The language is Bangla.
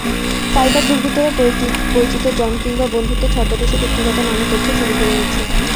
সাইবার দুর্বৃত্তরা পরিচিতজন কিংবা বন্ধুত্বের ছদ্মবেশে ব্যক্তিগত নানা তথ্য চুরি করে নিচ্ছে।